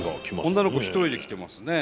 女の子一人で来てますね。